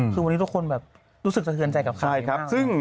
คือวันนี้ทุกคนแบบรู้สึกเถชิญใจกับคาวในขั้น